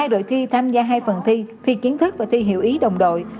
một mươi hai đội thi tham gia hai phần thi thi kiến thức và thi hiểu ý đồng đội